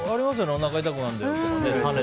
おなか痛くなるよとかね。